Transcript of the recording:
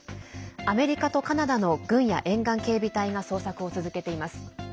アメリカとカナダの軍や沿岸警備隊が捜索を続けています。